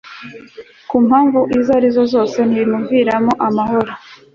ku mpamvu izo ari zo zose ntibimuviramo amahoro